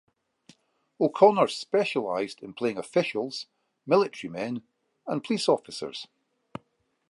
O'Connor specialized in playing officials, military men, and police officers.